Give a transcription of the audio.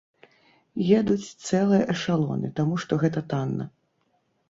Едуць цэлыя эшалоны, таму што гэта танна.